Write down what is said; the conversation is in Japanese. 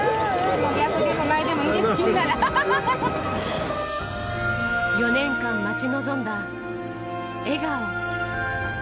もう逆でも前でもいいです、４年間待ち望んだ笑顔。